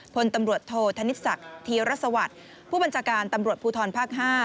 พลตำรวจโทษธนิษศักดิ์ธีรสวัสดิ์ผู้บัญชาการตำรวจภูทรภาค๕